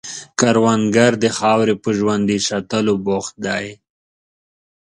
کروندګر د خاورې په ژوندي ساتلو بوخت دی